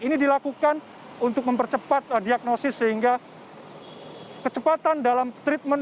ini dilakukan untuk mempercepat diagnosis sehingga kecepatan dalam treatment